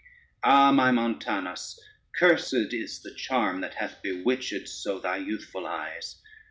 Ah, my Montanus, cursèd is the charm, That hath bewitchèd so thy youthful eyes.